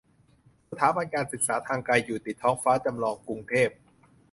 สถาบันการศึกษาทางไกล อยู่ติดท้องฟ้าจำลอง กรุงเทพ